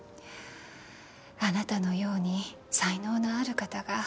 あなたのように才能のある方が